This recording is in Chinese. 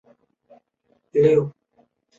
醮期由一日一夜至五日六夜不等。